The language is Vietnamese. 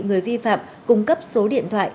người vi phạm cung cấp số điện thoại